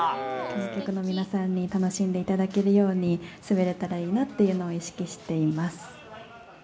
観客の皆さんに楽しんでいただけるように滑れたらいいなっていうのを意識しています。